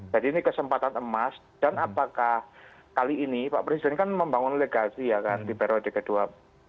jadi ini kesempatan emas dan apakah kali ini pak presiden kan membangun legasi ya kan di periode kedua